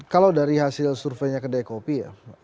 kalau dari hasil surveinya kedai kopi ya